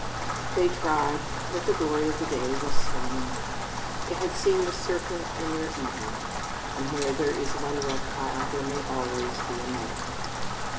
They tried, but the glory of the day was slain. They had seen the serpent in their Eden and where there is one reptile there may always be another.